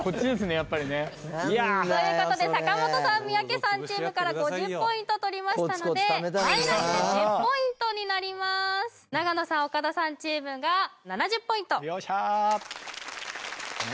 やっぱりね何だよそれということで坂本さん三宅さんチームから５０ポイント取りましたのでマイナス１０ポイントになります長野さん岡田さんチームが７０ポイントよっしゃ何？